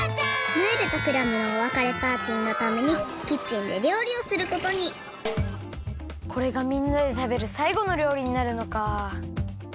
ムールとクラムのおわかれパーティーのためにキッチンでりょうりをすることにこれがみんなでたべるさいごのりょうりになるのか。